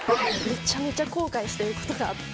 めちゃめちゃ後悔してることがあって。